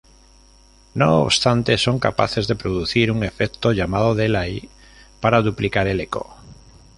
No obstante, son capaces de producir un efecto llamado delay, para duplicar el eco.